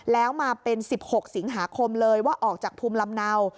แล้วมาเป็น๑๖สิงหาคมเลยว่าออกจากภูมิลำเนา